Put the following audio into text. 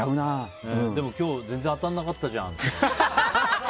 でも今日、全然当たらなかったじゃんとか。